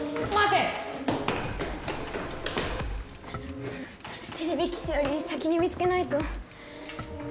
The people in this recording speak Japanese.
てれび騎士より先に見つけないと。